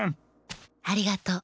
ありがとう。